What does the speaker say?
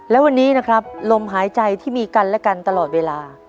และวันนี้นะครับลมหายใจที่มีกันและกันตลอดเวลา